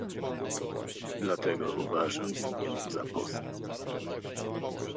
Dlatego uważam ją za postęp